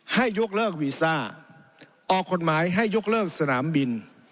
ให้ยกเลิกวีซ่าออกกฎหมายให้ยกเลิกสนามบิน